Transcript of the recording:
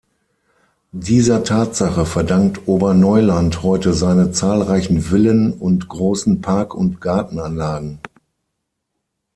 Dieser Tatsache verdankt Oberneuland heute seine zahlreichen Villen und großen Park- und Gartenanlagen.